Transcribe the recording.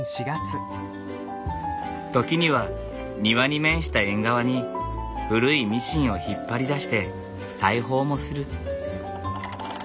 時には庭に面した縁側に古いミシンを引っ張り出して裁縫もする。